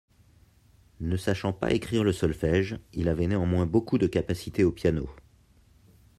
Ne sachant pas écrire le solfège, il avait néanmoins beaucoup de capacités au piano.